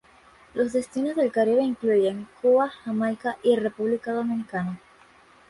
Los destinos del Caribe incluyen Cuba, Jamaica y República Dominicana.